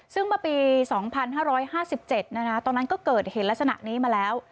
ซึ่งเมื่อปี๒๕๕๗ตอนนั้นก็เกิดเหตุลักษณะนี้มาแล้ว